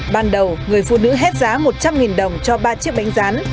ban đầu người phụ nữ hết giá một trăm linh đồng cho ba chiếc bánh rán